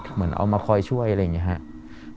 เหมือนเอามาคอยช่วยอะไรอย่างนี้ครับ